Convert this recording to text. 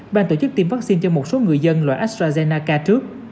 bàn tổ chức tiêm vaccine cho một số người dân loại astrazeneca trước